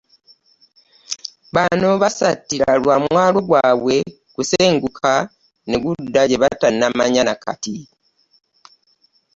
Bano basattira lwa mwalo gwabwe kusenguka ne gudda gye batannamanya na kati.